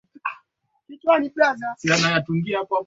Waturuki Kwa mfano ikiwa kitende kinawasha hii ni pesa ikiwa masikio